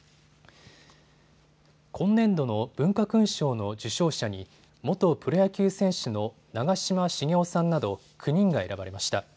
今年度の文化勲章の受章者に元プロ野球選手の長嶋茂雄さんなど９人が選ばれました。